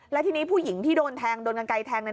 และทีนี้ผู้หญิงที่โดนแทงโดนกันไกลแทง